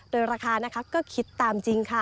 โดยราคานะคะก็คิดตามจริงค่ะ